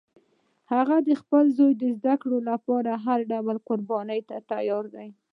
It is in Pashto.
هغه د خپل زوی د زده کړې لپاره هر ډول قربانی ته تیار ده